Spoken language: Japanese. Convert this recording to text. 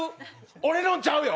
俺のんちゃうよ。